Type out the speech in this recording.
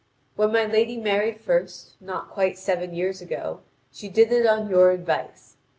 When my lady married first, not quite seven years ago, she did it on your advice.